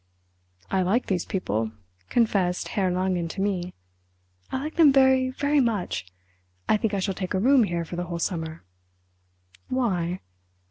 "I like these people," confessed Herr Langen to me. "I like them very, very much. I think I shall take a room here for the whole summer." "Why?"